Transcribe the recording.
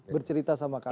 bercerita sama kami